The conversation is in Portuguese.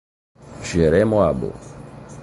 Jeremoabo